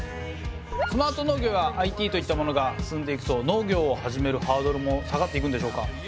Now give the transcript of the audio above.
スマート農業やＩＴといったものが進んでいくと農業を始めるハードルも下がっていくんでしょうか？